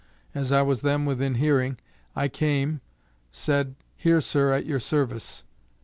As I was then within hearing, I came, said, here sir, at your service.